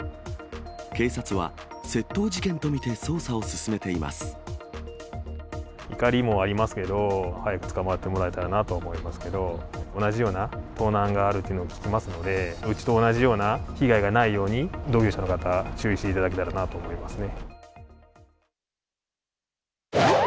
警察は、窃盗事件と見て捜査を進怒りもありますけど、早く捕まってもらえたらなと思いますけど、同じような盗難があるというのを聞きますので、うちと同じような被害がないように、同業者の方、注意していただけたらなと思いますね。